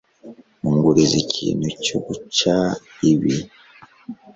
Unguriza ikintu cyo guca ibi.